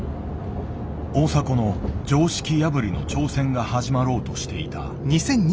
大迫の常識破りの挑戦が始まろうとしていた。